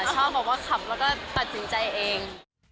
ชอบบอกว่าขับแล้วก็ตัดสินใจเอง